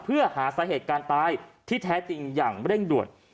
เพื่อหาสาเหตุการณ์ตายที่แท้จริงอย่างเร่งด่วน